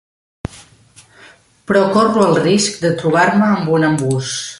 Però corro el risc de trobar-me amb un embús.